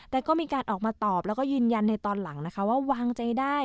แต่ก็มีการออกมาตอบแล้วก็ยืนยันในตอนหลังนะคะว่าวางใจได้